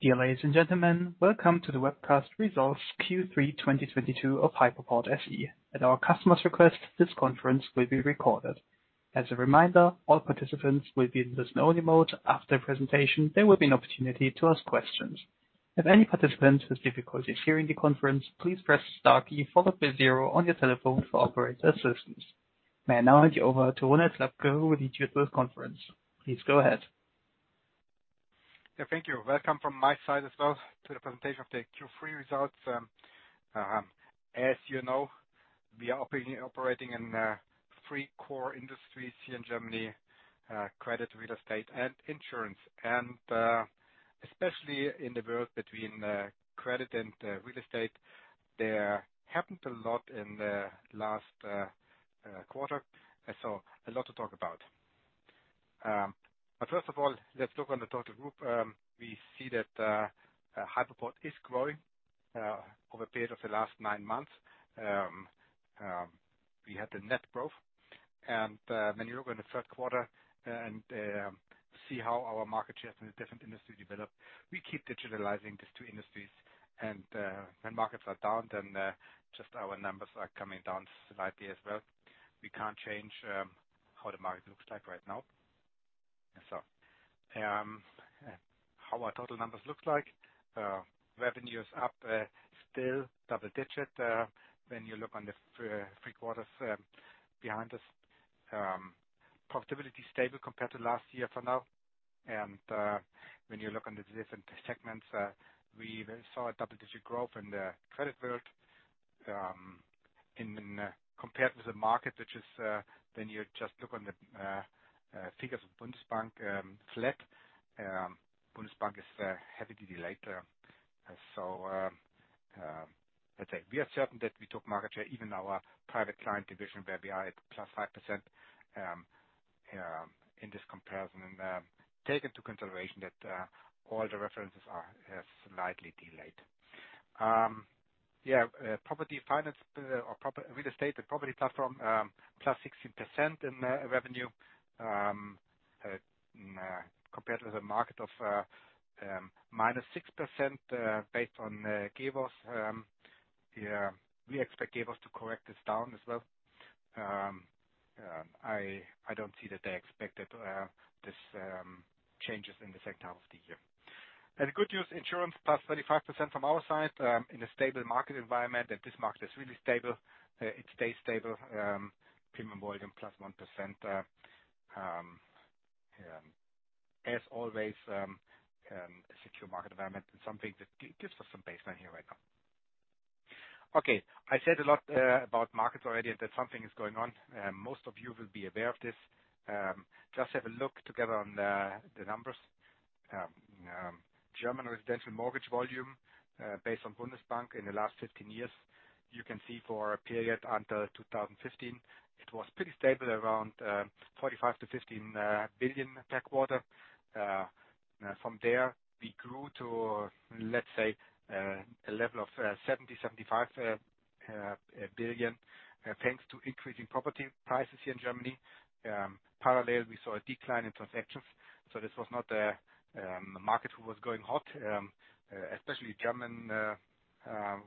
Dear ladies and gentlemen, welcome to the webcast results Q3 2022 of Hypoport SE. At our customer's request, this conference will be recorded. As a reminder, all participants will be in listen-only mode. After the presentation, there will be an opportunity to ask questions. If any participant has difficulties hearing the conference, please press star key followed by zero on your telephone for operator assistance. May I now hand you over to Ronald Slabke, who will lead you through this conference. Please go ahead. Yeah, thank you. Welcome from my side as well to the presentation of the Q3 results. As you know, we are operating in three core industries here in Germany: credit, real estate, and insurance. Especially in the world between credit and real estate. There happened a lot in the last quarter. A lot to talk about. But first of all, let's look on the total group. We see that Hypoport is growing over a period of the last nine months. We had the net growth. When you look in the third quarter and see how our market shares in the different industry developed. We keep digitalizing these two industries. When markets are down then just our numbers are coming down slightly as well. We can't change how the market looks like right now. How our total numbers look like. Revenue is up, still double-digit. When you look on the three quarters behind us. Profitability stable compared to last year for now. When you look on the different segments, we even saw a double-digit growth in the credit world. Compared with the market, which is when you just look on the figures of Bundesbank, flat. Bundesbank is heavily delayed there. Let's say we are certain that we took market share, even our private client division, where we are at +5%, in this comparison. Take into consideration that all the references are slightly delayed. Property finance or real estate or property platform plus 16% in revenue compared with a market of minus 6% based on. Yeah. We expect to correct this down as well. I don't see that they expected this changes in the second half of the year. Good news, insurance plus 35% from our side in a stable market environment. This market is really stable. It stays stable. Premium volume plus 1% yeah. As always, a secure market environment and something that gives us some baseline here right now. Okay, I said a lot about markets already and that something is going on. Most of you will be aware of this. Just have a look together on the numbers. German residential mortgage volume based on Bundesbank in the last 15 years. You can see for a period until 2015, it was pretty stable around 45 billion-50 billion per quarter. From there, we grew to, let's say, a level of 70 billion-75 billion thanks to increasing property prices here in Germany. Parallel, we saw a decline in transactions. This was not a market who was going hot. Especially German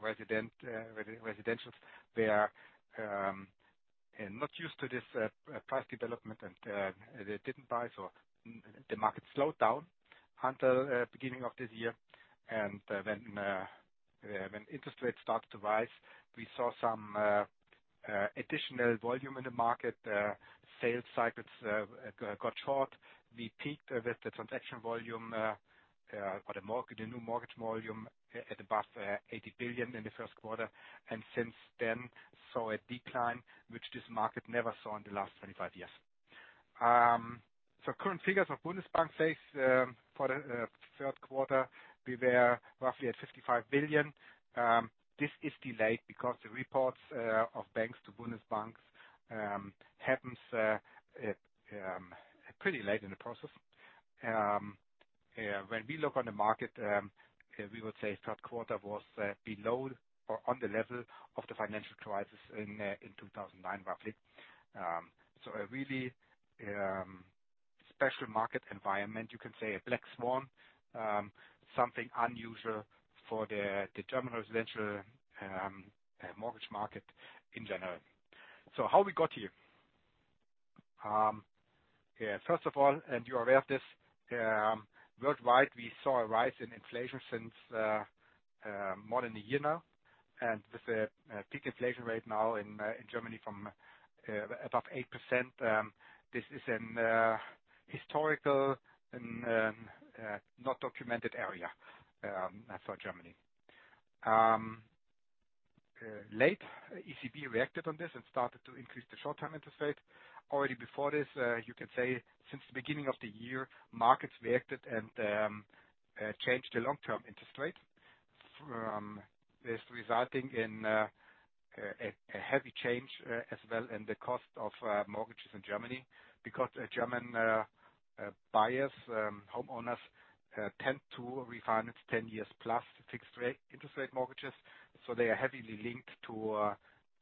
residential. They are not used to this price development, and they didn't buy, the market slowed down until beginning of this year. When interest rates started to rise, we saw some additional volume in the market. Sales cycles got short. We peaked with the transaction volume or the new mortgage volume at above 80 billion in the first quarter. Since then, saw a decline, which this market never saw in the last 25 years. Current figures of Bundesbank says for the third quarter, we were roughly at 55 billion. This is delayed because the reports of banks to Bundesbank happens pretty late in the process. When we look on the market, we would say third quarter was below or on the level of the financial crisis in 2009, roughly. A really special market environment. You can say a black swan, something unusual for the German residential mortgage market in general. How we got here. First of all, you're aware of this, worldwide, we saw a rise in inflation since more than a year now. With the peak inflation rate now in Germany from above 8%, this is in a historical and not documented area for Germany. The ECB reacted on this and started to increase the short-term interest rate. Already before this, you can say since the beginning of the year, markets reacted and changed the long-term interest rate. This resulting in a heavy change as well in the cost of mortgages in Germany because German buyers, homeowners tend to refinance 10 years plus fixed-rate interest-rate mortgages, so they are heavily linked to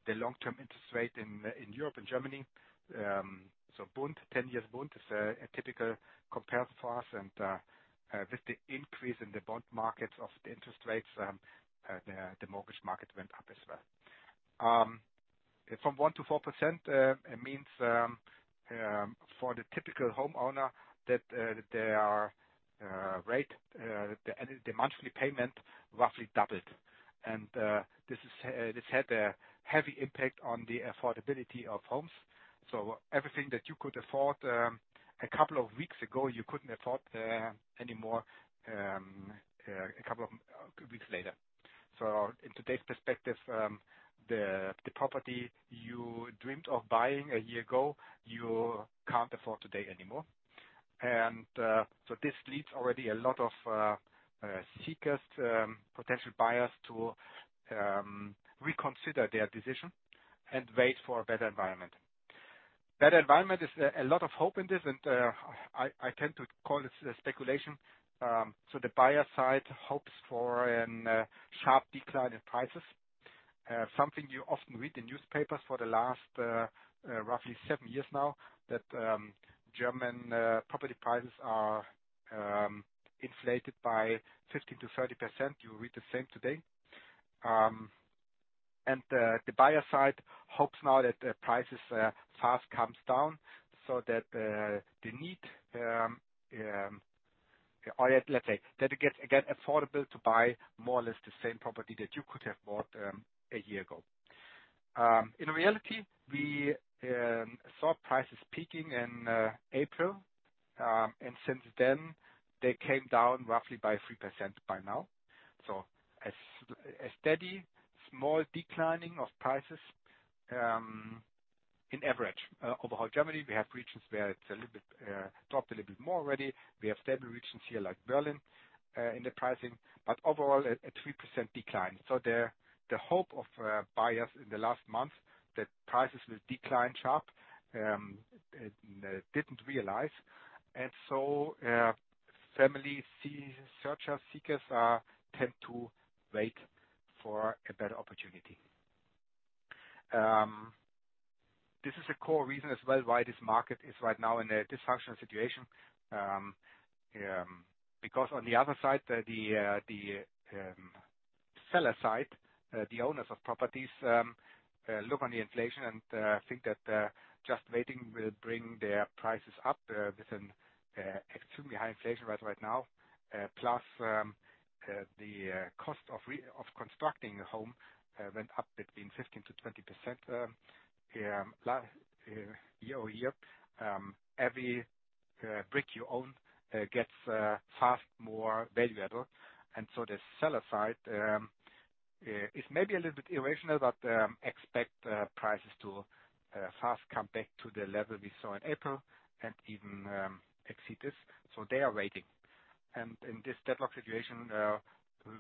the long-term interest rate in Europe and Germany. The 10-year Bund is a typical comparison for us and with the increase in the Bund markets of the interest rates, the mortgage market went up as well. From 1%-4%, it means for the typical homeowner that their rate, the monthly payment roughly doubled. This had a heavy impact on the affordability of homes. Everything that you could afford, a couple of weeks ago, you couldn't afford, anymore, a couple of weeks later. In today's perspective, the property you dreamed of buying a year ago, you can't afford today anymore. This leads already a lot of seekers, potential buyers to reconsider their decision and wait for a better environment. Better environment is a lot of hope in this, I tend to call this a speculation. The buyer side hopes for a sharp decline in prices. Something you often read in newspapers for the last, roughly seven years now, that German property prices are inflated by 50%-30%. You read the same today. The buyer side hopes now that the prices falls comes down so that it gets again affordable to buy more or less the same property that you could have bought a year ago. In reality, we saw prices peaking in April, and since then, they came down roughly by 3% by now. A steady small decline of prices on average. Overall, Germany, we have regions where it's a little bit dropped a little bit more already. We have stable regions, like Berlin, in the pricing, but overall a 3% decline. The hope of buyers in the last month that prices will decline sharply didn't materialize. Family searchers, seekers tend to wait for a better opportunity. This is a core reason as well why this market is right now in a dysfunctional situation, because on the other side, the seller side, the owners of properties look on the inflation and think that just waiting will bring their prices up with an extremely high inflation rate right now. Plus, the cost of constructing a home went up between 15%-20% year-over-year. Every brick you own gets vastly more valuable. The seller side is maybe a little bit irrational, but expect prices to fast come back to the level we saw in April and even exceed this, so they are waiting. In this deadlock situation,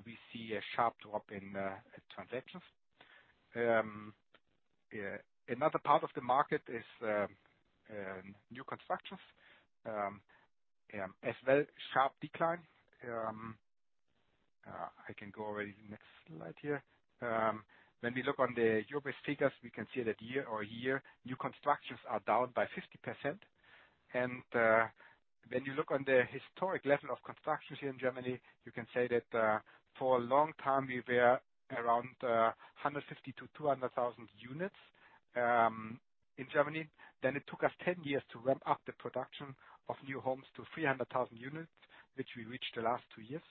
we see a sharp drop in transactions. Another part of the market is new constructions as well, sharp decline. I can go already to the next slide here. When we look on the year-over-year figures, we can see that year-over-year, new constructions are down by 50%. When you look on the historic level of constructions here in Germany, you can say that for a long time we were around 150,000-200,000 units in Germany. It took us 10 years to ramp up the production of new homes to 300,000 units, which we reached the last two years.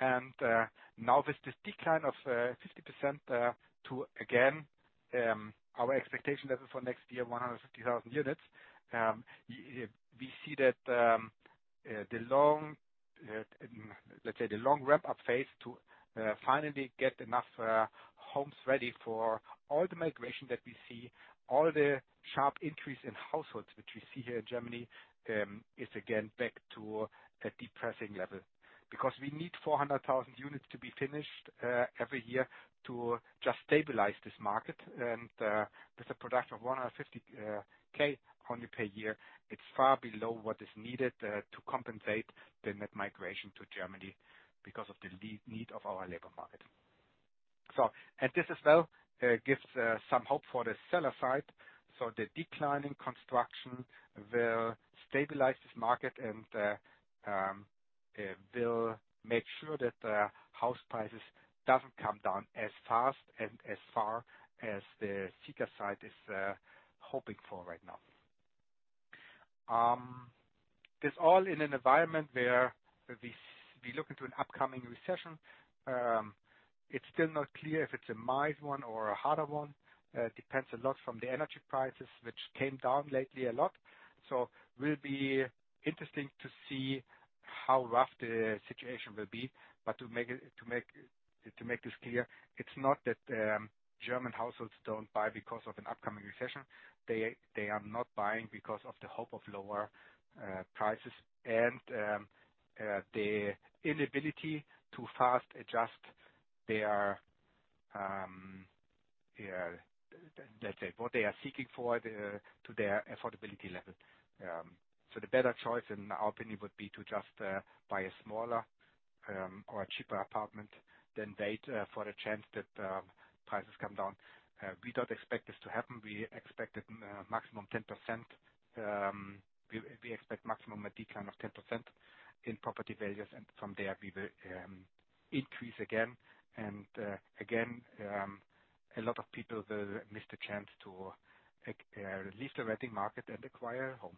Now with this decline of 50% to again our expectation level for next year, 150,000 units. We see that the long, let's say, ramp-up phase to finally get enough homes ready for all the migration that we see, all the sharp increase in households which we see here in Germany, is again back to a depressing level. Because we need 400,000 units to be finished every year to just stabilize this market. With the production of 150,000 only per year, it's far below what is needed to compensate the net migration to Germany because of the labor need of our labor market. This as well gives some hope for the seller side. The decline in construction will stabilize this market and will make sure that house prices doesn't come down as fast and as far as the seeker side is hoping for right now. This all in an environment where we look into an upcoming recession. It's still not clear if it's a mild one or a harder one. It depends a lot from the energy prices which came down lately a lot. Will be interesting to see how rough the situation will be. To make this clear, it's not that German households don't buy because of an upcoming recession. They are not buying because of the hope of lower prices and the inability to fast adjust their. Let's say to their affordability level. The better choice in our opinion would be to just buy a smaller or a cheaper apartment than wait for a chance that prices come down. We don't expect this to happen. We expect maximum 10%, we expect maximum a decline of 10% in property values, and from there we will increase again. Again, a lot of people will miss the chance to leave the renting market and acquire a home.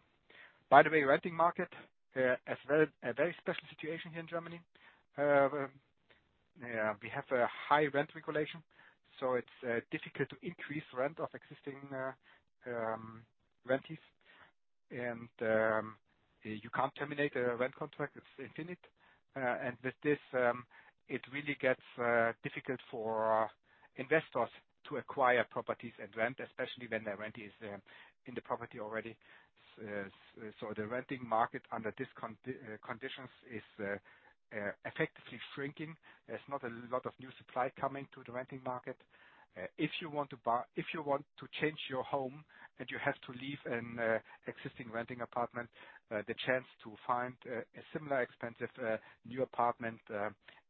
By the way, rental market has a very special situation here in Germany. Yeah, we have a high rent regulation, so it's difficult to increase rent of existing tenants. You can't terminate a rent contract, it's infinite. With this, it really gets difficult for investors to acquire properties and rent, especially when the tenant is in the property already. So the rental market under this conditions is effectively shrinking. There's not a lot of new supply coming to the rental market. If you want to change your home, and you have to leave an existing rental apartment, the chance to find a similar expensive new apartment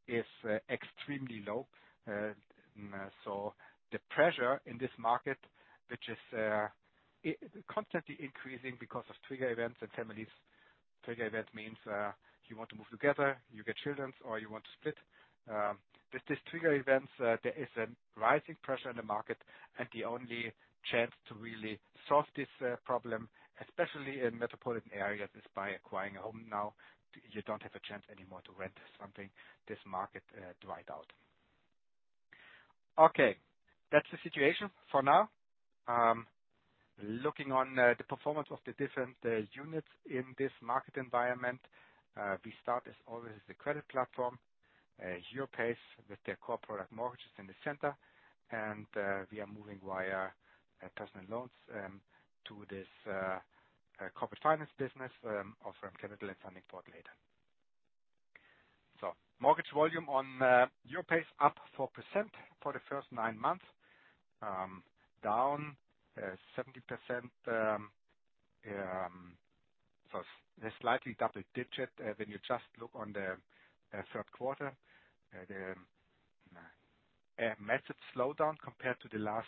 is extremely low. The pressure in this market, which is constantly increasing because of trigger events and families. Trigger event means you want to move together, you get children or you want to split. With these trigger events, there is a rising pressure in the market, and the only chance to really solve this problem, especially in metropolitan areas, is by acquiring a home now. You don't have a chance anymore to rent something. This market dried out. Okay, that's the situation for now. Looking at the performance of the different units in this market environment, we start, as always, the credit platform Europace with their core product mortgages in the center. We are moving via personal loans to this corporate finance business, offering capital and funding for later. Mortgage volume on Europace up 4% for the first nine months, down 70%. Slightly double digit when you just look on the third quarter. A massive slowdown compared to the last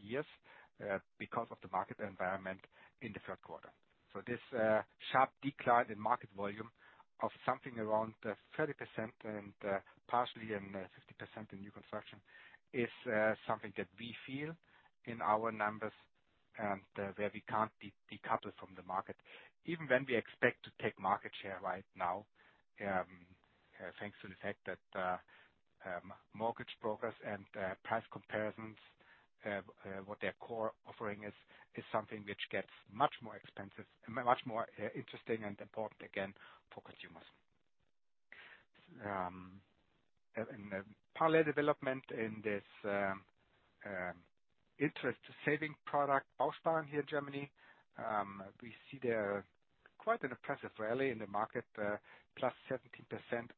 years because of the market environment in the third quarter. This sharp decline in market volume of something around 30% and partially in 50% in new construction is something that we feel in our numbers and where we can't be coupled from the market. Even when we expect to take market share right now, thanks to the fact that mortgage brokers and price comparisons what their core offering is is something which gets much more expensive, much more interesting and important again for consumers. Parallel development in this interest saving product, Bausparen here in Germany, we see there quite an impressive rally in the market, plus 17%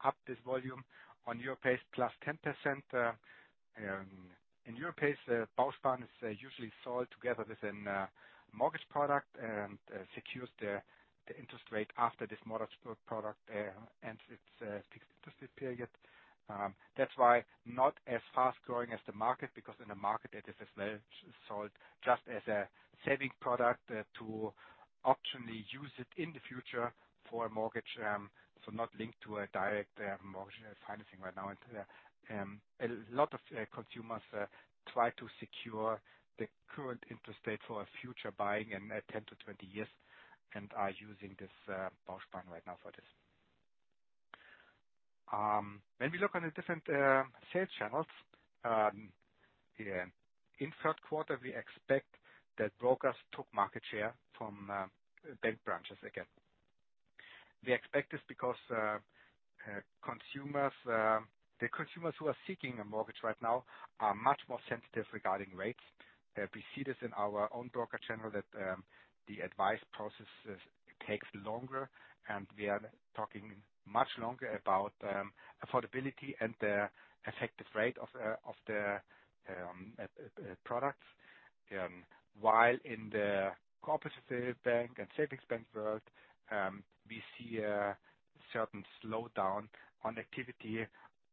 up this volume. On Europace, plus 10%. In Europace, Bausparen is usually sold together with a mortgage product and secures the interest rate after this mortgage product ends its fixed interest rate period. That's why not as fast growing as the market, because in the market it is as well sold just as a saving product to optionally use it in the future for a mortgage. Not linked to a direct mortgage financing right now, a lot of consumers try to secure the current interest rate for a future buying in 10-20 years and are using this Bausparen right now for this. When we look on the different sales channels, in third quarter, we expect that brokers took market share from bank branches again. We expect this because consumers who are seeking a mortgage right now are much more sensitive regarding rates. We see this in our own broker channel that the advice processes takes longer, and we are talking much longer about affordability and the effective rate of the products. While in the cooperative bank and savings bank world, we see a certain slowdown on activity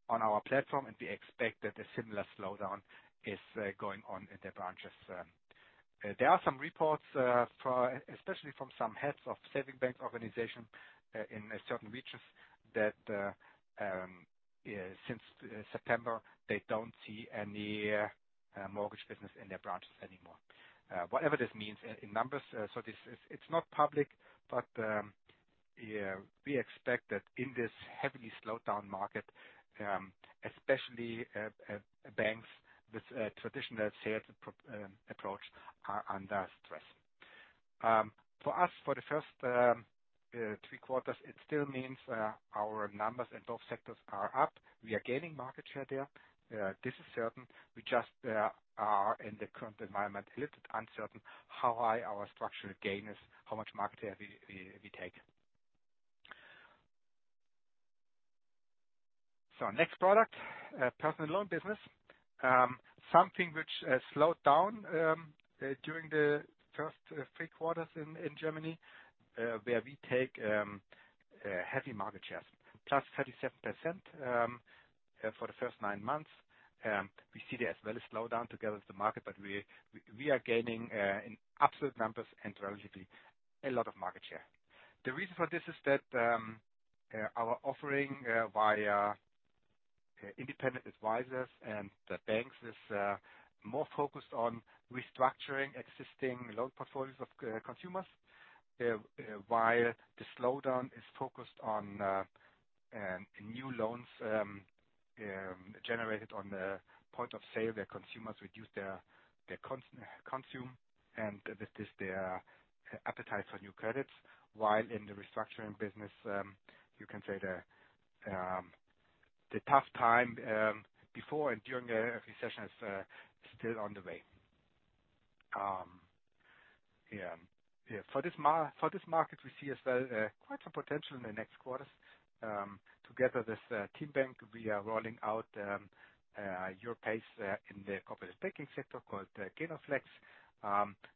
on our platform, and we expect that a similar slowdown is going on in the branches. There are some reports especially from some heads of savings bank organization in certain regions that since September, they don't see any mortgage business in their branches anymore. Whatever this means in numbers, it's not public, but yeah, we expect that in this heavily slowed down market, especially banks with a traditional sales approach are under stress. For us, for the first three quarters, it still means our numbers in both sectors are up. We are gaining market share there. This is certain. We just are in the current environment a little bit uncertain how high our structural gain is, how much market share we take. Next product, personal loan business. Something which slowed down during the first three quarters in Germany, where we take a heavy market share. +37% for the first nine months. We see there as well a slowdown together with the market, but we are gaining in absolute numbers and relatively a lot of market share. The reason for this is that our offering via independent advisors and the banks is more focused on restructuring existing loan portfolios of consumers. While the slowdown is focused on new loans generated on the point of sale, where consumers reduce their consumption, and this is their appetite for new credits. While in the restructuring business, you can say the tough time before and during a recession is still on the way. Yeah. For this market, we see as well quite some potential in the next quarters. Together with TeamBank, we are rolling out Europace in the corporate banking sector called GENOFLEX.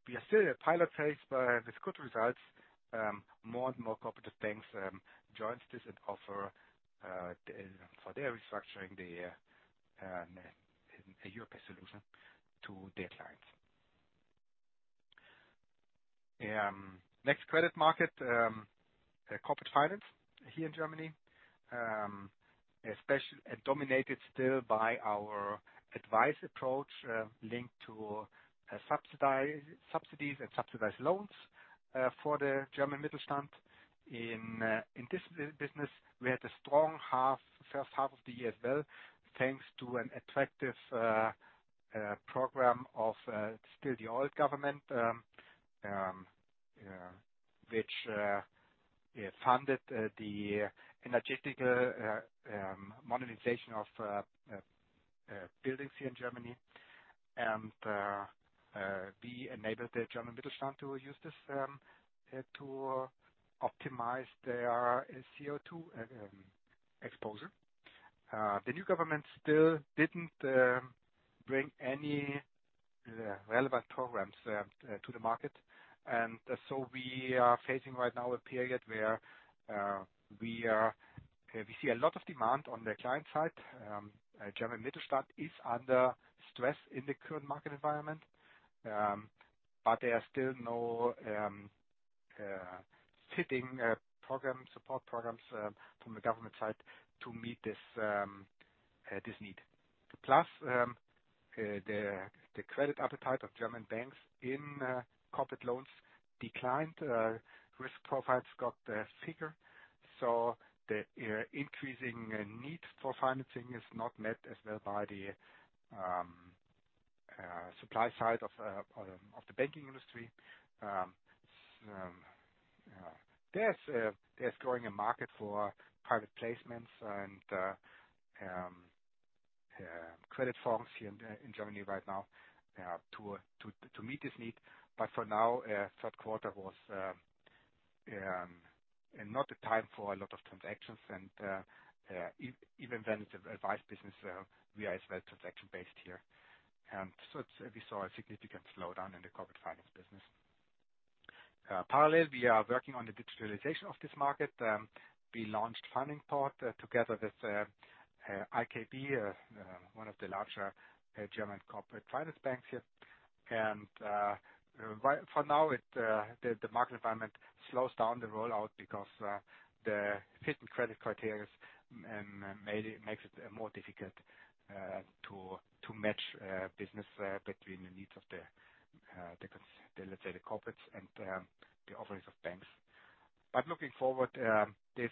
We are still in pilot phase, but with good results. More and more corporate banks joins this and offer for their restructuring a Europace solution to their clients. Next credit market, corporate finance here in Germany, especially dominated still by our advice approach, linked to subsidies and subsidized loans, for the German Mittelstand. In this business, we had a strong first half of the year as well, thanks to an attractive program of still the old government, which funded the energetic modernization of buildings here in Germany. We enabled the German Mittelstand to use this to optimize their CO2 exposure. The new government still didn't bring any relevant programs to the market. We are facing right now a period where we see a lot of demand on the client side. German Mittelstand is under stress in the current market environment, but there are still no fitting support programs from the government side to meet this need. Plus, the credit appetite of German banks in corporate loans declined. Risk profiles got thicker. The increasing need for financing is not met as well by the supply side of the banking industry. There's a growing market for private placements and credit funds here in Germany right now to meet this need. For now, third quarter was not the time for a lot of transactions. Even when the advice business, we are as well transaction-based here. We saw a significant slowdown in the corporate finance business. Parallel, we are working on the digitalization of this market. We launched Fundingport together with IKB, one of the larger German corporate finance banks here. For now, the market environment slows down the rollout because the fit and credit criteria makes it more difficult to match business between the needs of the corporates and the offerings of banks. Looking forward, this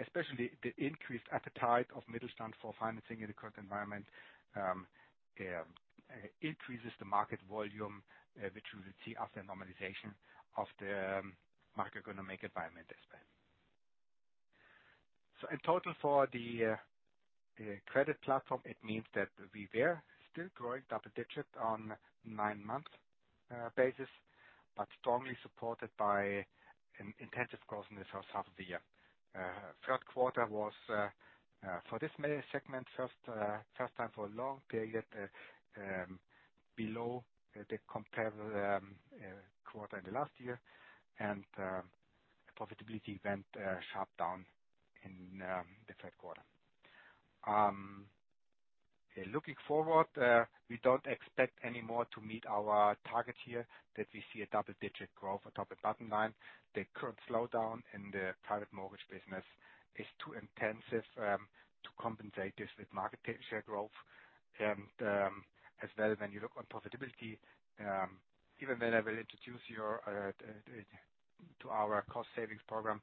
especially the increased appetite of Mittelstand for financing in the current environment increases the market volume, which we will see after normalization of the macroeconomic environment as well. In total for the credit platform, it means that we were still growing double-digit on nine-month basis, but strongly supported by an intensive growth in the first half of the year. Third quarter was for this main segment first time for a long period below the comparable quarter in the last year. Profitability went sharply down in the third quarter. Looking forward, we don't expect any more to meet our target here, that we see a double-digit growth on top and bottom line. The current slowdown in the private mortgage business is too intensive to compensate for this with market share growth. When you look on profitability, even when I will introduce you to our cost savings program,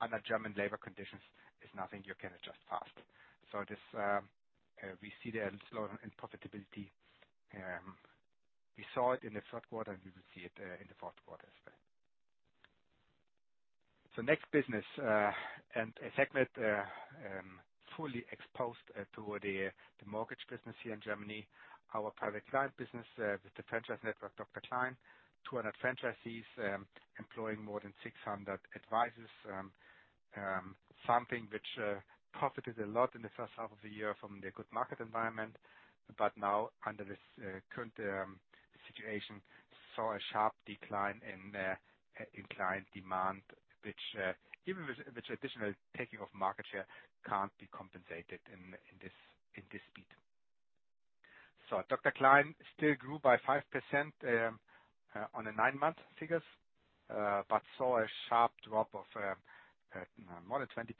under German labor conditions, it's nothing you can adjust fast. This we see the slowdown in profitability. We saw it in the third quarter, and we will see it in the fourth quarter as well. Next business and a segment fully exposed to the mortgage business here in Germany, our private client business with the franchise network Dr. Klein. 200 franchisees, employing more than 600 advisors. Something which profited a lot in the first half of the year from the good market environment. Now under this current situation, saw a sharp decline in client demand, which even with additional taking of market share can't be compensated in this speed. Dr. Klein still grew by 5% on the nine-month figures but saw a sharp drop of more than 20%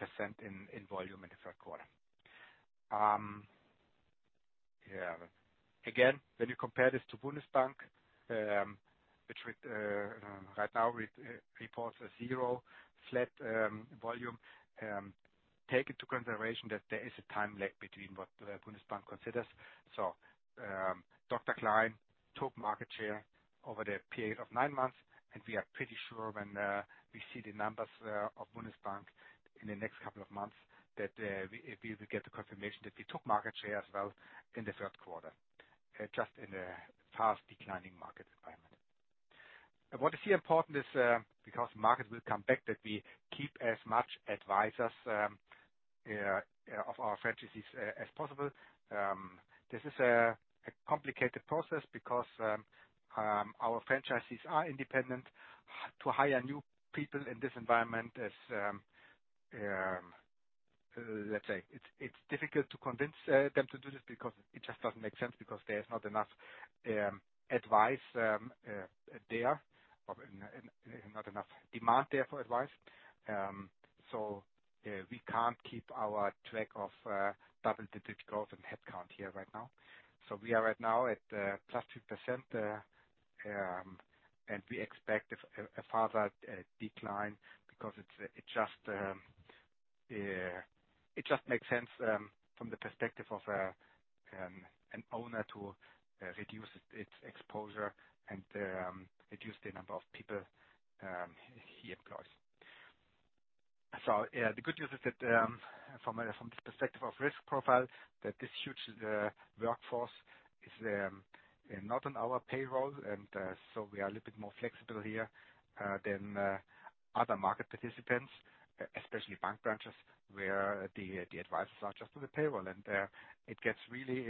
in volume in the third quarter. Again, when you compare this to Bundesbank, which right now reports a 0 flat volume, take into consideration that there is a time lag between what Bundesbank considers. Dr. Klein took market share over the period of nine months, and we are pretty sure when we see the numbers of Bundesbank in the next couple of months, that we will get the confirmation that we took market share as well in the third quarter, just in a fast declining market environment. What is here important is, because markets will come back, that we keep as much advisers of our franchises as possible. This is a complicated process because our franchisees are independent. To hire new people in this environment is, let's say it's difficult to convince them to do this because it just doesn't make sense because there's not enough advice there, and not enough demand there for advice. We can't keep up our track record of double-digit growth in headcount here right now. We are right now at +2%, and we expect a further decline because it just makes sense from the perspective of an owner to reduce its exposure and reduce the number of people he employs. The good news is that from the perspective of risk profile, this huge workforce is not on our payroll. We are a little bit more flexible here than other market participants, especially bank branches, where the advisers are just on the payroll. It gets really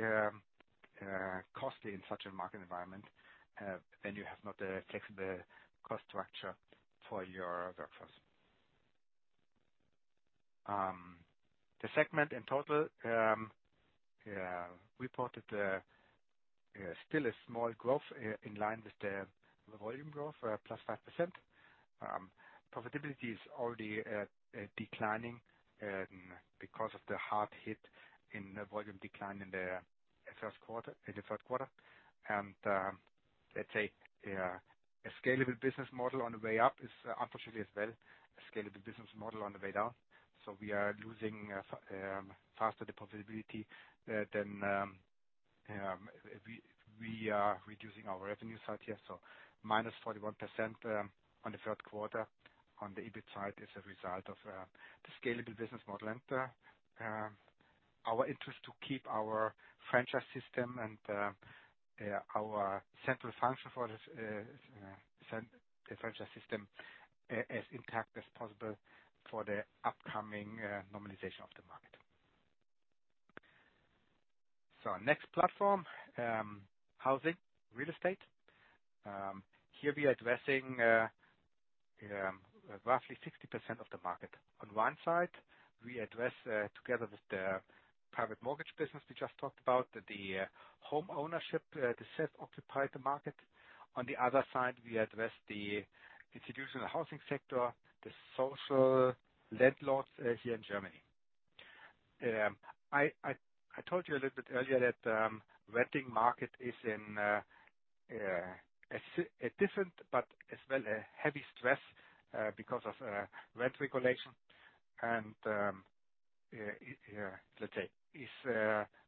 costly in such a market environment, when you have not a flexible cost structure for your workforce. The segment in total reported still a small growth in line with the volume growth, plus 5%. Profitability is already declining because of the hard hit in volume decline in the third quarter. Let's say, a scalable business model on the way up is unfortunately as well a scalable business model on the way down. We are losing faster the profitability than we are reducing our revenue side here. -41% on the third quarter on the EBIT side is a result of the scalable business model and our interest to keep our franchise system and our central function for this franchise system as intact as possible for the upcoming normalization of the market. Our next platform, housing real estate. Here we are addressing roughly 60% of the market. On one side, we address together with the private mortgage business we just talked about, the homeownership, the self-occupied market. On the other side, we address the institutional housing sector, the social landlords here in Germany. I told you a little bit earlier that the rental market is in a different, but as well a heavy stress because of rent regulation, and let's say, is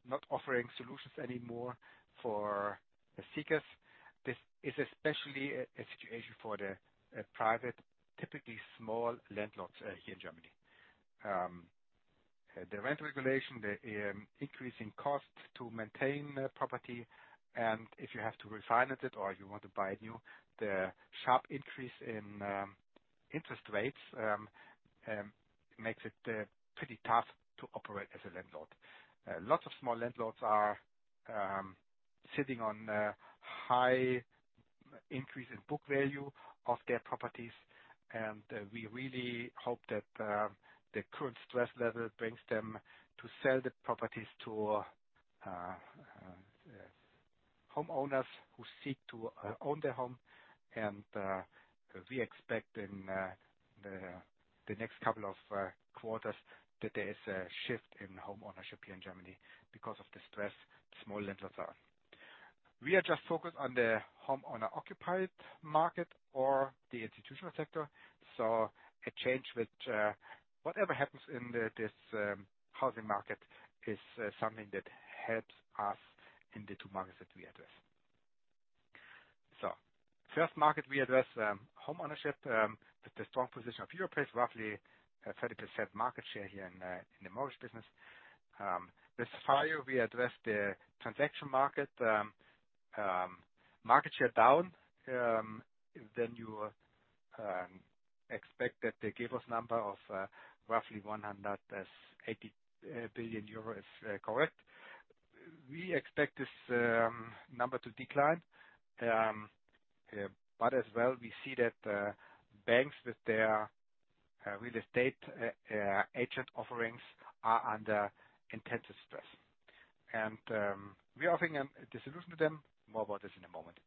not offering solutions anymore for the seekers. This is especially a situation for the private, typically small landlords here in Germany. The rent regulation, the increasing costs to maintain the property, and if you have to refinance it or you want to buy new, the sharp increase in interest rates makes it pretty tough to operate as a landlord. Lots of small landlords are sitting on a high increase in book value of their properties, and we really hope that the current stress level brings them to sell the properties to homeowners who seek to own their home. We expect in the next couple of quarters that there is a shift in homeownership here in Germany because of the stress small landlords are. We are just focused on the homeowner-occupied market or the institutional sector. A change with whatever happens in this housing market is something that helps us in the two markets that we address. First market we address, homeownership, with the strong position of Europace, roughly 30% market share here in the mortgage business. With FIO we address the transaction market share down, then you expect that the number of roughly 180 billion euro is correct. We expect this number to decline. As well we see that banks with their real estate agent offerings are under intensive stress. We are offering them a solution to them. More about this in a moment.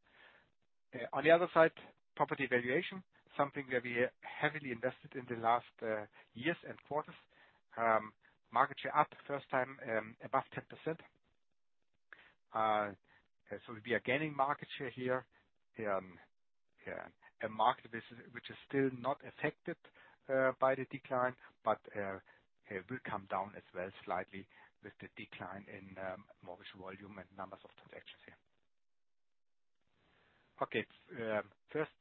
On the other side, property valuation, something that we heavily invested in the last years and quarters. Market share up first time above 10%. We'll be gaining market share here. Yeah. A market which is still not affected by the decline, but it will come down as well slightly with the decline in mortgage volume and numbers of transactions here. Okay. First,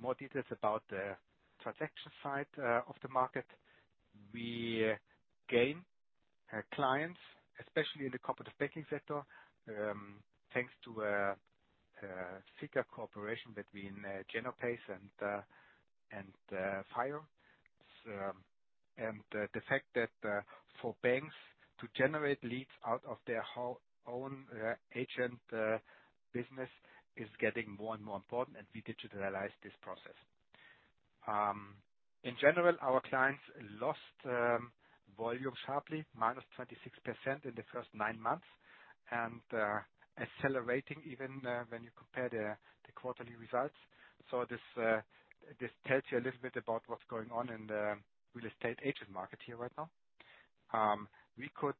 more details about the transaction side of the market. We gain our clients, especially in the corporate banking sector, thanks to a closer cooperation between Genopace and FIO. The fact that for banks to generate leads out of their own agent business is getting more and more important, and we digitalize this process. In general, our clients lost volume sharply, -26% in the first nine months, and accelerating even when you compare the quarterly results. This tells you a little bit about what's going on in the real estate agent market here right now. We could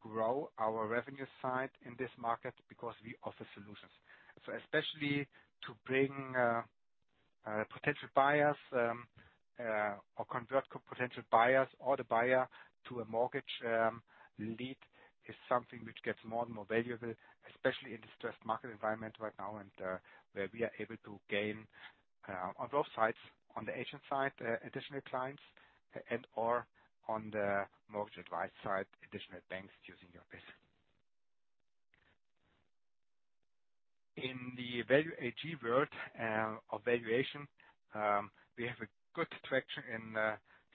grow our revenue side in this market because we offer solutions. Especially to bring potential buyers or convert potential buyers or the buyer to a mortgage lead is something which gets more and more valuable, especially in this first market environment right now and where we are able to gain on both sides, on the agent side additional clients and/or on the mortgage advice side additional banks using your business. In the Value AG world of valuation, we have a good traction in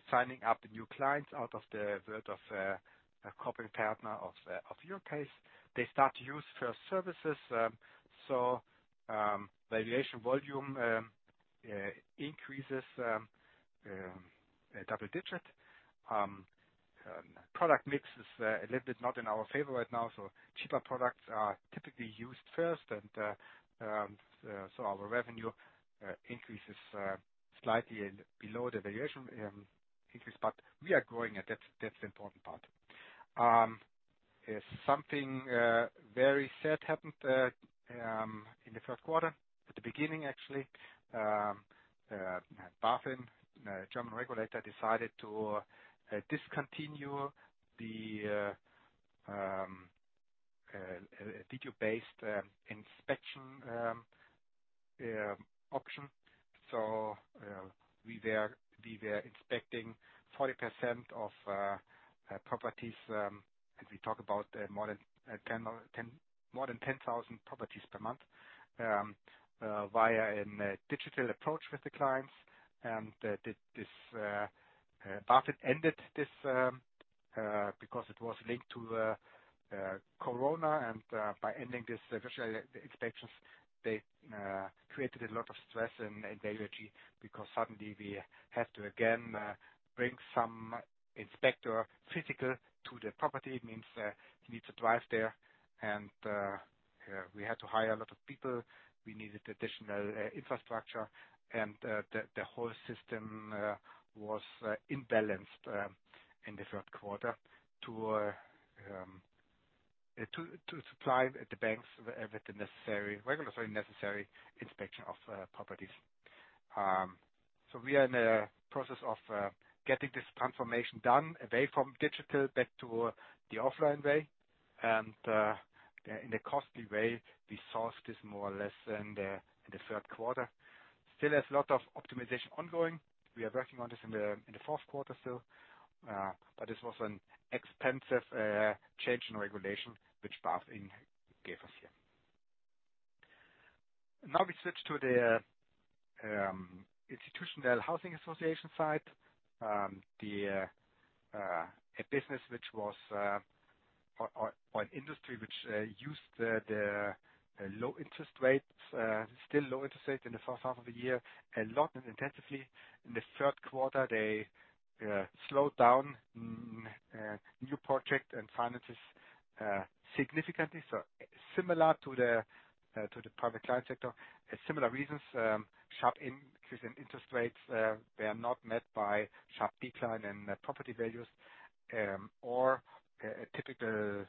signing up the new clients out of the world of a corporate partner of Europace. They start to use first services, so valuation volume increases double-digit. Product mix is a little bit not in our favor right now, so cheaper products are typically used first and so our revenue increases slightly below the valuation increase, but we are growing, and that's the important part. Something very sad happened in the third quarter. At the beginning, actually. BaFin, German regulator, decided to discontinue the video-based inspection option. We were inspecting 40% of properties, as we talk about more than 10,000 properties per month via a digital approach with the clients. This BaFin ended this because it was linked to Corona, and by ending this virtual inspections, they created a lot of stress in Value AG because suddenly we have to again bring some physical inspector to the property. It means he needs to drive there and we had to hire a lot of people. We needed additional infrastructure and the whole system was imbalanced in the third quarter to supply the banks with the necessary regulatory inspection of properties. We are in the process of getting this transformation done away from digital back to the offline way, and in a costly way, we solved this more or less in the third quarter. Still has a lot of optimization ongoing. We are working on this in the fourth quarter still. This was an expensive change in regulation which BaFin gave us here. Now we switch to the Institutional Housing Association side. A business or an industry which used the still low interest rates in the first half of the year a lot more intensively. In the third quarter, they slowed down new project financings significantly. Similar to the private client sector. Similar reasons, sharp increase in interest rates, they are not met by sharp decline in property values, or a typical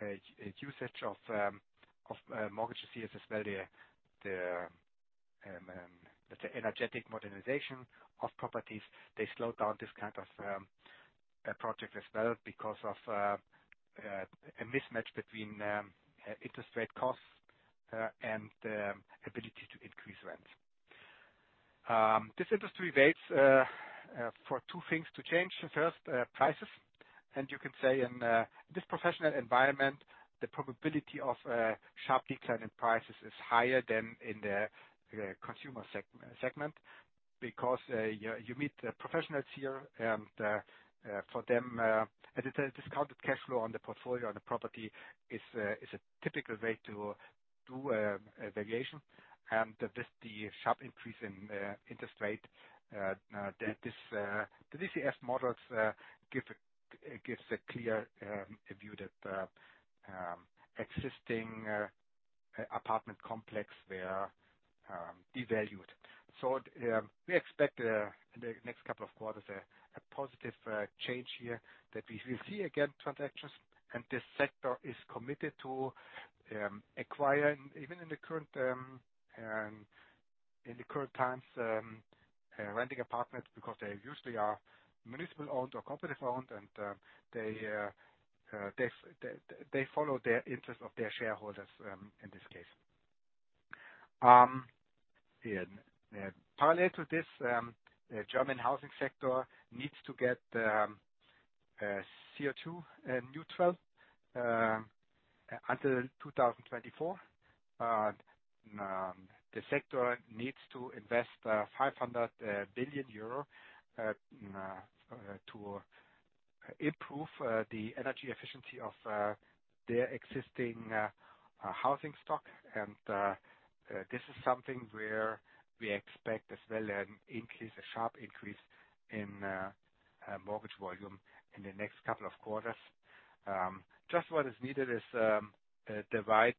usage of mortgage cash value. The energetic modernization of properties, they slowed down this kind of project as well because of a mismatch between interest rate costs and the ability to increase rent. This industry waits for two things to change. First, prices. You can say in this professional environment, the probability of a sharp decline in prices is higher than in the consumer segment because you meet professionals here and for them, a discounted cash flow on the portfolio, on the property is a typical way to do a valuation. With the sharp increase in interest rate, now the DCF models give a clear view that existing apartment complexes they are devalued. We expect in the next couple of quarters a positive change here that we will see again transactions. This sector is committed to acquiring even in the current times renting apartments because they usually are municipal-owned or corporate-owned and they follow the interest of their shareholders in this case. Parallel to this, the German housing sector needs to get CO2 neutral by 2024. The sector needs to invest 500 billion euro to improve the energy efficiency of their existing housing stock. This is something where we expect as well an increase, a sharp increase in mortgage volume in the next couple of quarters. Just what is needed is the right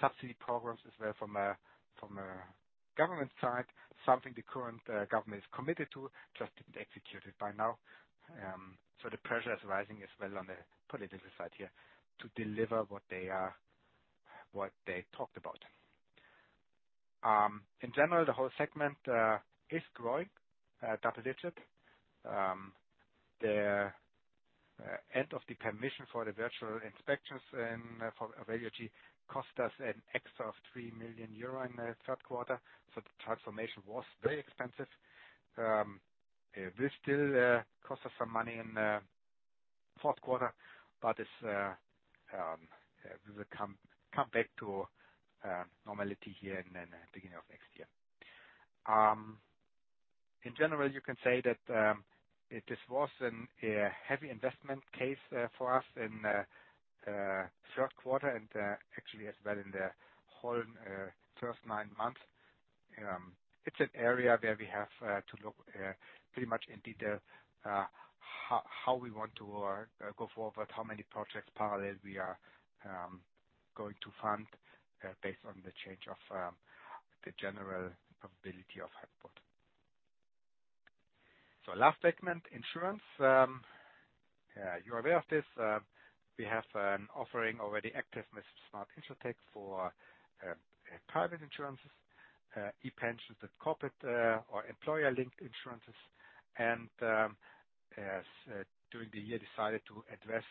subsidy programs as well from a government side, something the current government is committed to, just didn't execute it by now. The pressure is rising as well on the political side here to deliver what they talked about. In general, the whole segment is growing double digits. The end of the permission for the virtual inspections and for Value AG cost us an excess of 3 million euro in the third quarter. The transformation was very expensive. It will still cost us some money in the fourth quarter, but we will come back to normality here and then beginning of next year. In general, you can say that this was a heavy investment case for us in third quarter and actually as well in the whole first nine months. It's an area where we have to look pretty much in detail how we want to go forward, how many projects parallel we are going to fund based on the change of the general probability of output. Last segment, insurance. You're aware of this. We have an offering already active with Smart InsurTech for private insurances, ePension, the corporate or employer-linked insurances. As during the year decided to address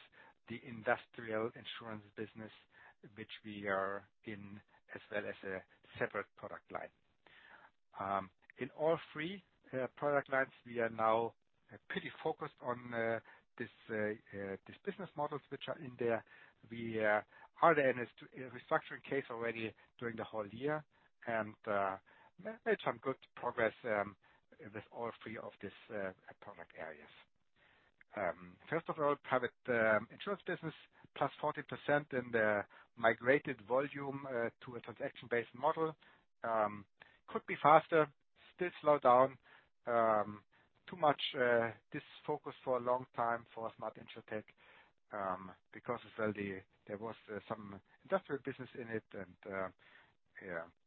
the industrial insurance business, which we are in as well as a separate product line. In all three product lines, we are now pretty focused on these business models which are in there. We are in a restructuring case already during the whole year, and made some good progress with all three of these product areas. First of all, private insurance business, +40% in the migrated volume to a transaction-based model. Could be faster, still slow down. Too much, this focus for a long time for Smart InsurTech, because as well there was some industrial business in it.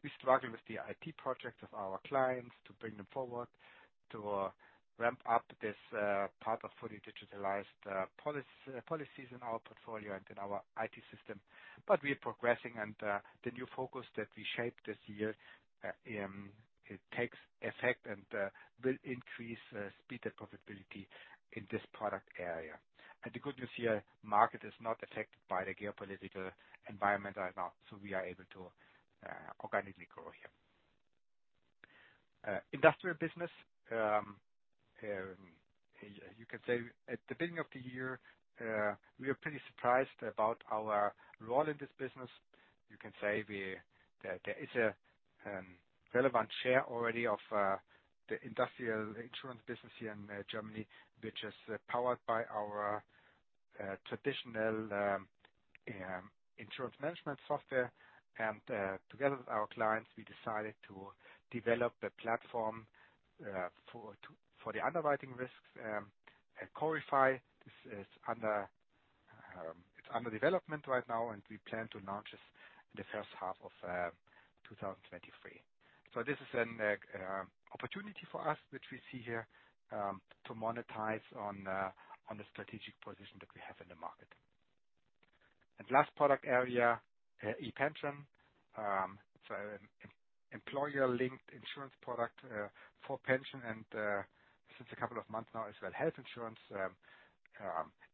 We struggle with the IT project of our clients to bring them forward to ramp up this part of fully digitalized policies in our portfolio and in our IT system. We are progressing and the new focus that we shaped this year it takes effect and will increase speed and profitability in this product area. The good news here, market is not affected by the geopolitical environment right now, so we are able to organically grow here. Industrial business. You can say at the beginning of the year we are pretty surprised about our role in this business. You can say there is a relevant share already of the industrial insurance business here in Germany, which is powered by our traditional insurance management software. Together with our clients, we decided to develop a platform for the underwriting risks. Corify is under development right now, and we plan to launch this in the first half of 2023. This is an opportunity for us, which we see here, to monetize on the strategic position that we have in the market. Last product area, ePension. It's an employer-linked insurance product for pension and, since a couple of months now as well, health insurance.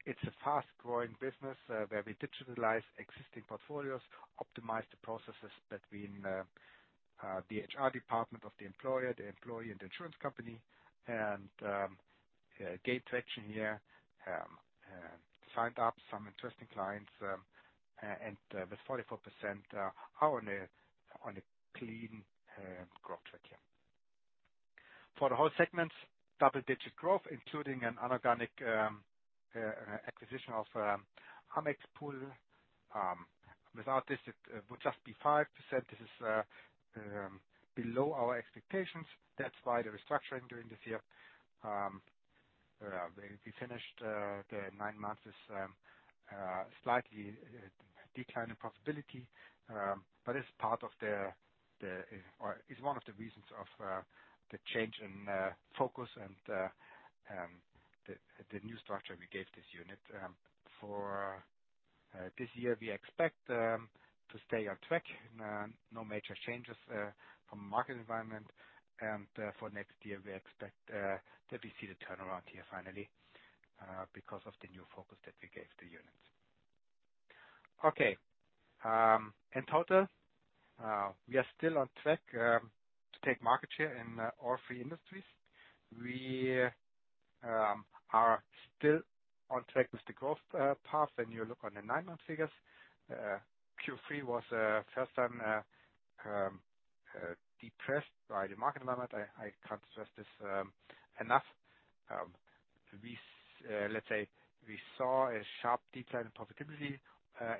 It's a fast-growing business where we digitalize existing portfolios, optimize the processes between the HR department of the employer, the employee and the insurance company, and gained traction here, signed up some interesting clients, and with 44% are on a clean growth track here. For the whole segment, double-digit growth, including an inorganic acquisition of AMEXPool. Without this, it would just be 5%. This is below our expectations. That's why they're restructuring during this year. We finished the nine months with slightly decline in profitability, but it's part of the or is one of the reasons of the change in focus and the new structure we gave this unit. For this year, we expect to stay on track. No major changes from market environment, and for next year, we expect that we see the turnaround here finally because of the new focus that we gave the units. Okay, in total, we are still on track to take market share in all three industries. We are still on track with the growth path when you look on the nine-month figures. Q3 was first time depressed by the market environment. I can't stress this enough. Let's say we saw a sharp decline in profitability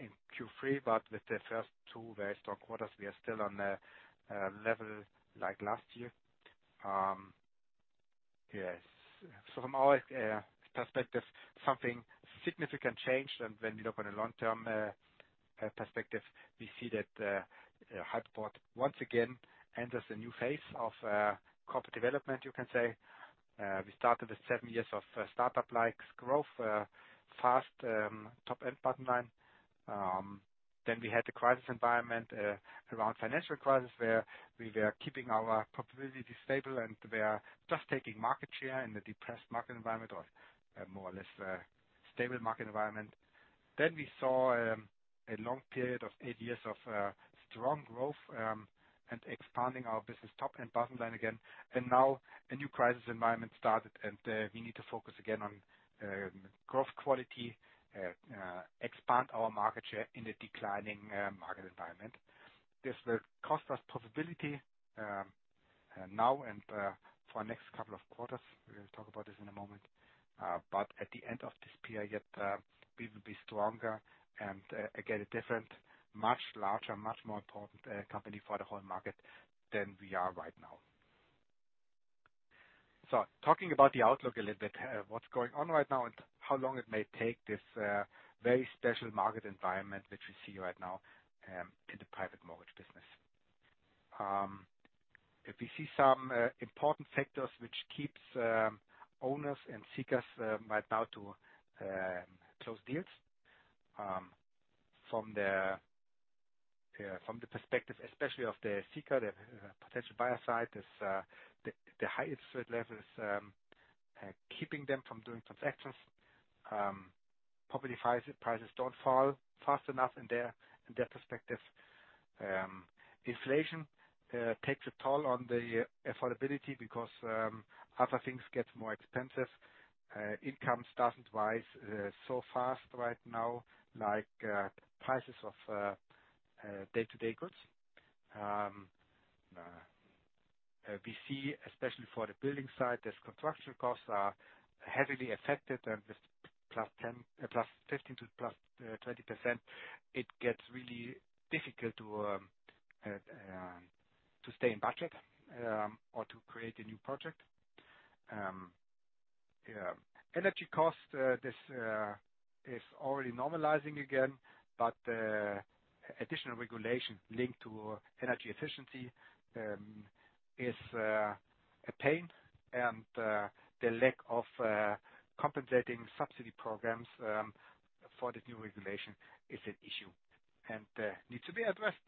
in Q3, but with the first two very strong quarters, we are still on the level like last year. Yes, from our perspective, something significant changed. When you look on a long-term perspective, we see that Hypoport once again enters a new phase of corporate development, you can say. We started with seven years of startup-like growth, fast top-end bottom line. We had the crisis environment around financial crisis, where we were keeping our profitability stable, and we are just taking market share in the depressed market environment or, more or less, stable market environment. We saw a long period of eight years of strong growth and expanding our business top and bottom line again. Now a new crisis environment started, and we need to focus again on growth quality, expand our market share in a declining market environment. This will cost us profitability now and for next couple of quarters. We're gonna talk about this in a moment. At the end of this period, we will be stronger and again a different, much larger, much more important company for the whole market than we are right now. Talking about the outlook a little bit, what's going on right now and how long it may take this very special market environment which we see right now in the private mortgage business. If you see some important factors which keeps owners and seekers right now to close deals from the perspective especially of the seeker, the potential buyer side, is the high interest rates levels keeping them from doing transactions. Property prices don't fall fast enough in their perspective. Inflation takes a toll on the affordability because other things get more expensive. Incomes doesn't rise so fast right now, like prices of day-to-day goods. We see, especially for the building side, these construction costs are heavily affected, and with +15% to +20%, it gets really difficult to stay in budget or to create a new project. Yeah. Energy costs. This is already normalizing again, but the additional regulations linked to energy efficiency is a pain. The lack of compensating subsidy programs for the new regulation is an issue and needs to be addressed.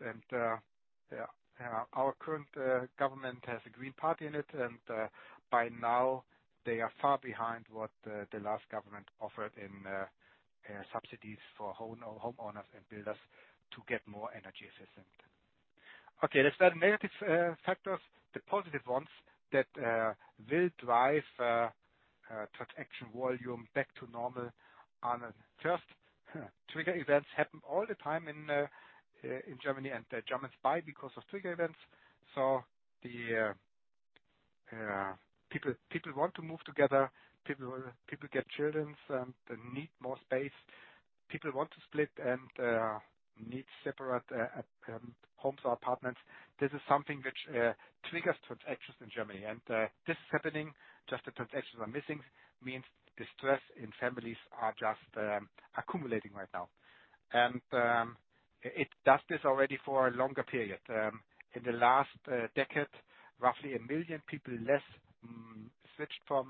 Yeah, our current government has a Green Party in it, and by now they are far behind what the last government offered in subsidies for homeowners and builders to get more energy efficient. Okay, let's start negative factors. The positive ones that will drive transaction volume back to normal are, first, trigger events happen all the time in Germany, and Germans buy because of trigger events. The people want to move together. People get children, they need more space. People want to split and need separate homes or apartments. This is something which triggers transactions in Germany. This is happening, just the transactions are missing, means the stress in families are just accumulating right now. It does this already for a longer period. In the last decade, roughly 1 million people less switched from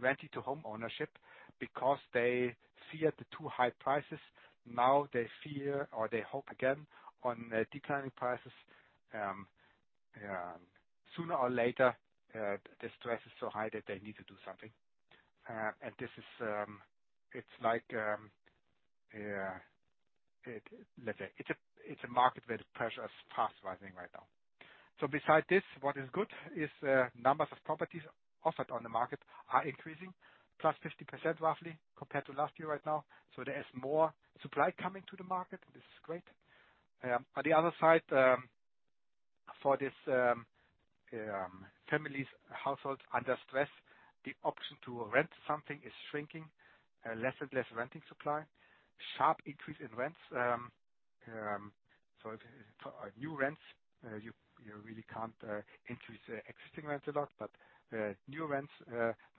rented to home ownership because they feared the too high prices. Now they fear or they hope again on the declining prices. Sooner or later, the stress is so high that they need to do something. Let's say it's a market where the pressure is fast rising right now. Beside this, what is good is numbers of properties offered on the market are increasing, plus 50% roughly compared to last year right now. There is more supply coming to the market. This is great. On the other side, for this families, households under stress, the option to rent something is shrinking. Less and less renting supply. Sharp increase in rents. For our new rents, you really can't increase the existing rents a lot. New rents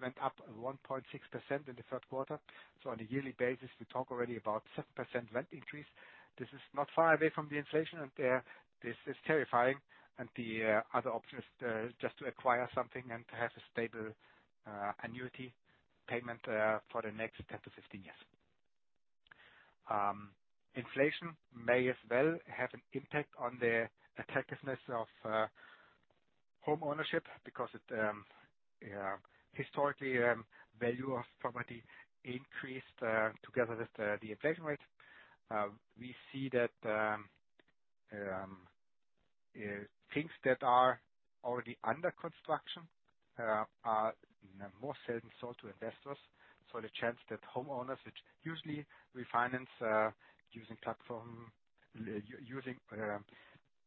went up 1.6% in the third quarter. On a yearly basis, we talk already about 7% rent increase. This is not far away from the inflation out there. This is terrifying. The other option is just to acquire something and to have a stable annuity payment for the next 10-15 years. Inflation may as well have an impact on the attractiveness of home ownership because it historically value of property increased together with the inflation rate. We see that things that are already under construction are more seldom sold to investors. The chance that homeowners, which usually refinance using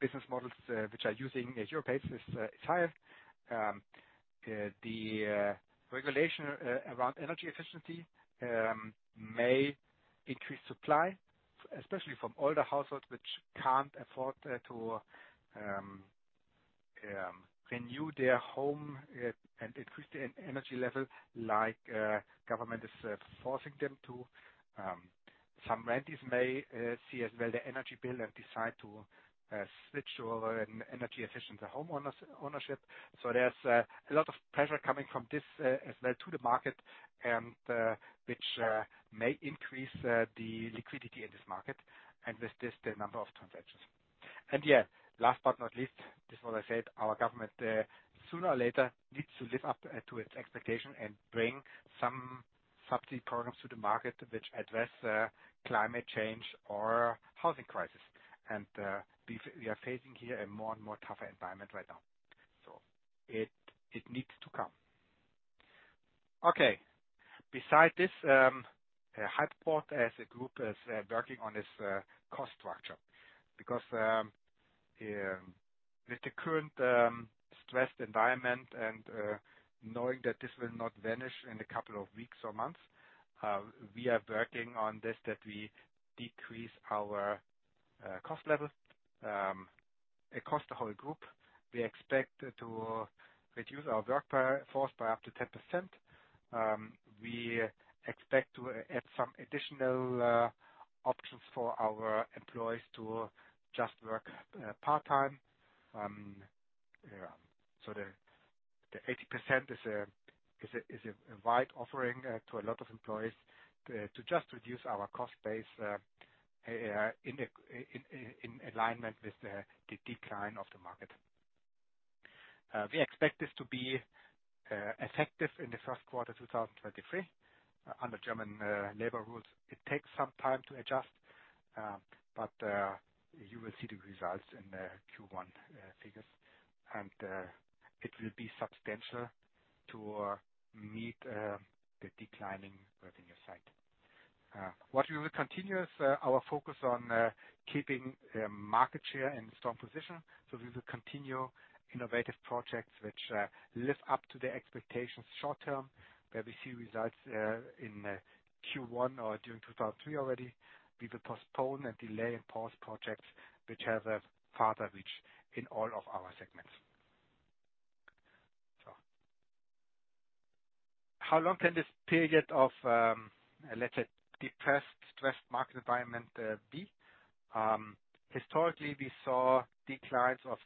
business models which are using a Europace is higher. The regulation around energy efficiency may increase supply, especially from older households which can't afford to renew their home and increase the energy level like the government is forcing them to. Some renters may see as well the energy bill and decide to switch over to an energy efficient home ownership. There's a lot of pressure coming from this as well to the market and which may increase the liquidity in this market and with this, the number of transactions. Yeah, last but not least, just what I said, our government sooner or later needs to live up to its expectation and bring some subsidy programs to the market which address climate change or housing crisis. We are facing here a more and more tougher environment right now. It needs to come. Okay. Besides this, Hypoport as a group is working on this cost structure because with the current stressed environment and knowing that this will not vanish in a couple of weeks or months, we are working on this, that we decrease our cost level across the whole group. We expect to reduce our workforce by up to 10%. We expect to add some additional options for our employees to just work part-time. The 80% is a wide offering to a lot of employees to just reduce our cost base in alignment with the decline of the market. We expect this to be effective in the first quarter 2023. Under German labor rules, it takes some time to adjust, but you will see the results in the Q1 figures. It will be substantial to meet the declining revenue side. What we will continue is our focus on keeping market share in a strong position. We will continue innovative projects which live up to the expectations short-term, where we see results in Q1 or during 2023 already. We will postpone and delay and pause projects which have a farther reach in all of our segments. How long can this period of, let's say, depressed, stressed market environment be? Historically, we saw declines of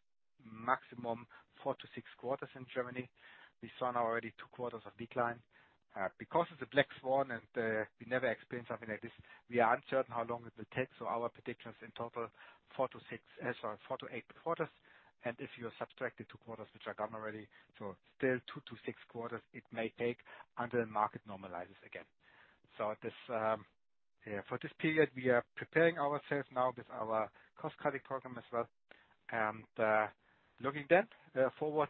maximum four-six quarters in Germany. We saw now already two quarters of decline. Because it's a black swan and we never experienced something like this, we are uncertain how long it will take. Our prediction is in total four-eight quarters. If you subtract the two quarters which are gone already, still two-six quarters it may take until the market normalizes again. For this period, we are preparing ourselves now with our cost-cutting program as well, and looking then forward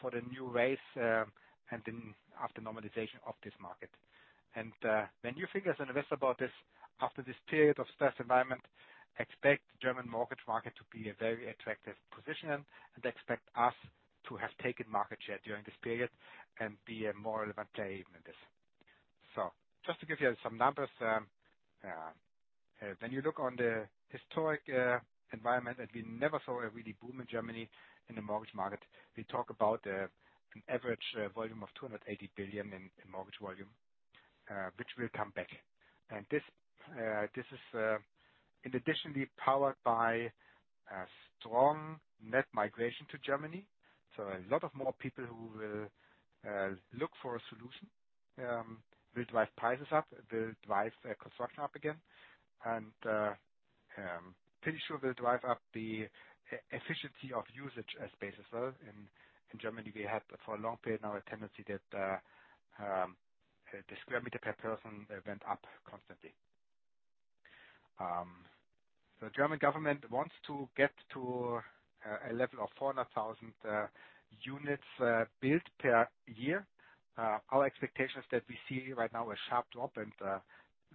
for the new phase, and then after normalization of this market. When you think as an investor about this, after this period of stressed environment, expect German mortgage market to be a very attractive position and expect us to have taken market share during this period and be a more relevant player in this. Just to give you some numbers, when you look on the historic environment, we never saw a real boom in Germany in the mortgage market. We talk about an average volume of 280 billion in mortgage volume, which will come back. In addition, we're powered by a strong net migration to Germany. A lot more people who will look for a solution will drive prices up, will drive construction up again. Pretty sure will drive up the efficiency of usage of space as well. In Germany, we had for a long period now a tendency that the square meter per person went up constantly. The German government wants to get to a level of 400,000 units built per year. Our expectations that we see right now a sharp drop and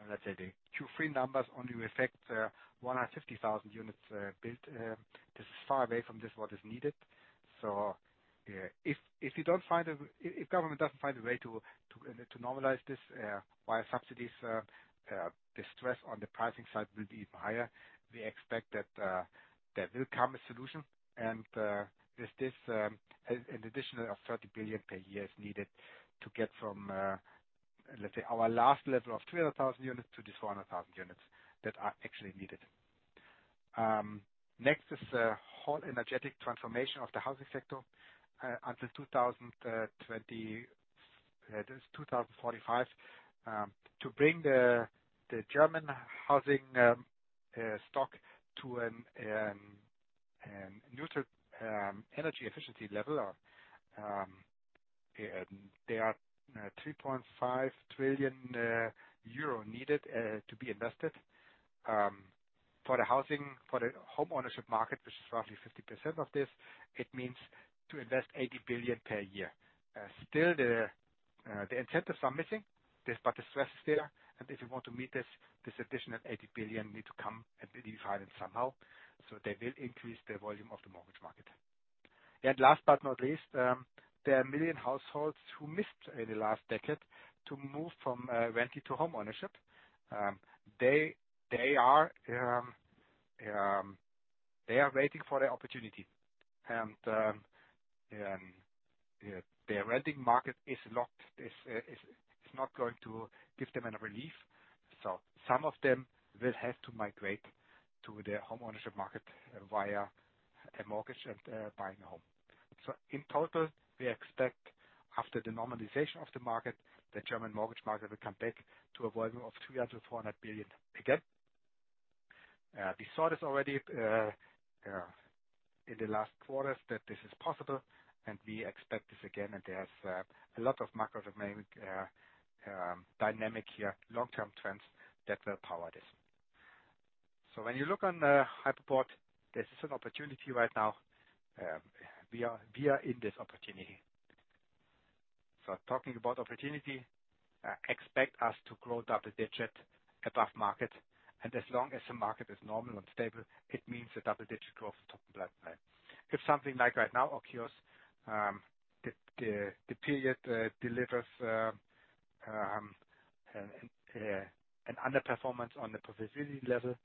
let's say the Q3 numbers only reflect 150,000 units built. This is far away from just what is needed. If government doesn't find a way to normalize this via subsidies, the stress on the pricing side will be even higher. We expect that there will come a solution. With this, an additional 30 billion per year is needed to get from, let's say our last level of 200,000 units to this 400,000 units that are actually needed. Next is the whole energy transformation of the housing sector until 2045 to bring the German housing stock to a neutral energy efficiency level. There are 2.5 trillion euro needed to be invested. For the homeownership market, which is roughly 50% of this, it means to invest 80 billion per year. The incentives are missing. The stress is there. If you want to meet this additional 80 billion need to come and be defined somehow, so they will increase the volume of the mortgage market. Last but not least, there are 1 million households who missed in the last decade to move from renting to homeownership. They are waiting for the opportunity. The renting market is locked. It's not going to give them any relief. Some of them will have to migrate to the homeownership market via a mortgage and buying a home. In total, we expect after the normalization of the market, the German mortgage market will come back to a volume of 300 billion-400 billion again. We saw this already in the last quarters that this is possible and we expect this again. There's a lot of macroeconomic dynamic here, long-term trends that will power this. When you look on the Hypoport, this is an opportunity right now. We are in this opportunity. Talking about opportunity, expect us to grow double-digit above market. As long as the market is normal and stable, it means a double-digit growth top line. If something like right now occurs, the period delivers an underperformance on the profitability level,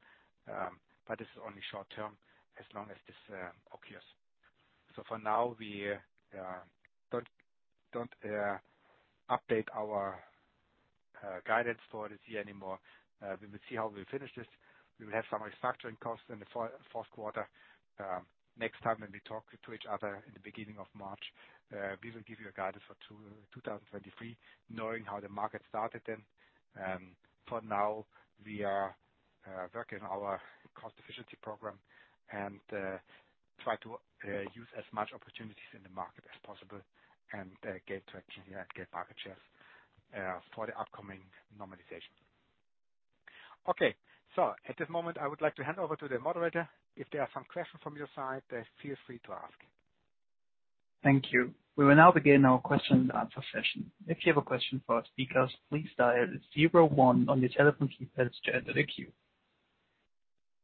but it's only short-term as long as this occurs. For now we don't update our guidance for this year anymore. We will see how we finish this. We will have some restructuring costs in the fourth quarter. Next time when we talk to each other in the beginning of March, we will give you a guidance for 2023, knowing how the market started then. For now, we are working on our cost efficiency program and try to use as much opportunities in the market as possible and gain traction here and gain market shares for the upcoming normalization. Okay. At this moment, I would like to hand over to the moderator. If there are some questions from your side, then feel free to ask. Thank you. We will now begin our question and answer session. If you have a question for our speakers, please dial zero one on your telephone keypads to enter the queue.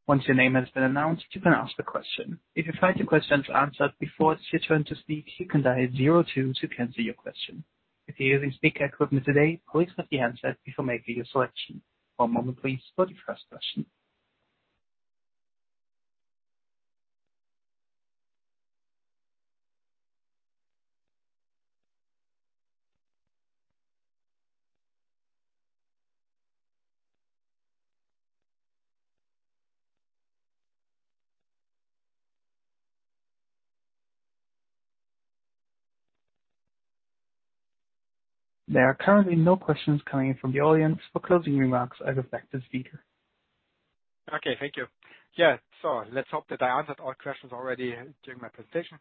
Once your name has been announced, you can ask the question. If you find your questions answered before it's your turn to speak, you can dial zero two to cancel your question. If you're using speaker equipment today, please press the handset before making your selection. One moment please for the first question. There are currently no questions coming in from the audience. For closing remarks, I give back to speaker. Okay. Thank you. Yeah. Let's hope that I answered all questions already during my presentation.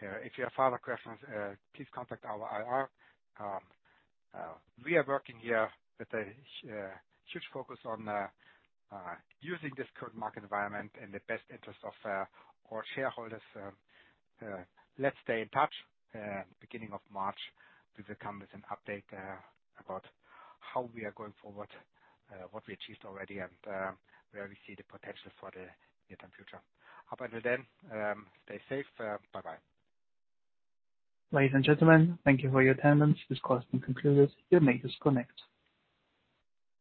If you have further questions, please contact our IR. We are working here with a huge focus on using this current market environment in the best interest of our shareholders. Let's stay in touch. Beginning of March, we will come with an update about how we are going forward, what we achieved already, and where we see the potential for the near-term future. Up until then, stay safe. Bye-bye. Ladies and gentlemen, thank you for your attendance. This call has been concluded. You may disconnect.